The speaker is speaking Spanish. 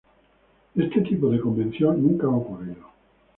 Este tipo de convención nunca ha ocurrido.